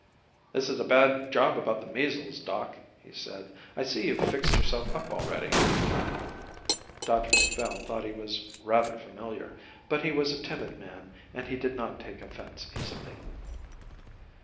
"This is a bad job about the measles, doc," he said. "I see you've fixed yourself up already." Dr Macphail thought he was rather familiar, but he was a timid man and he did not take offence easily.